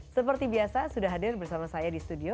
seperti biasa sudah hadir bersama saya di studio